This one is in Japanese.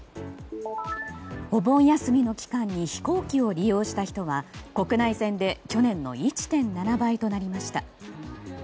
お盆休みの期間に飛行機を利用した人が国内線で去年の１．７倍となりました。